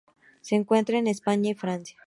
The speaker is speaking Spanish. Se encuentra en España y Francia.